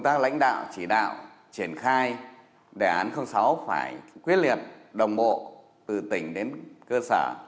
công tác lãnh đạo chỉ đạo triển khai đề án sáu phải quyết liệt đồng bộ từ tỉnh đến cơ sở